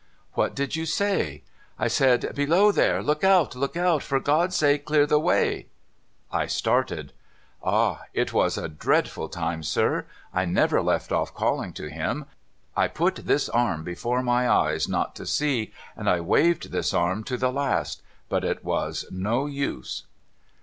* ^Vhat did you say ?'' I said, " Below there ! Look out ! Look out ! For God's sake, clear the way !"' I started. ' Ah ! it was a dreadful time, sir. I never left off calling to him. I put this arm before my eyes not to see, and I waved this arm to the last ; but it was no use.'